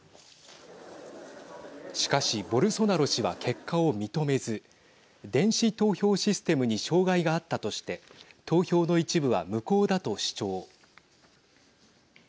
しかしボルソナロ氏は結果を認めず電子投票システムに障害があったとして投票の一部は無効だと主張。